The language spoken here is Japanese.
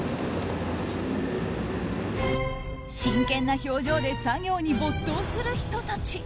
真剣な表情で作業に没頭する人たち。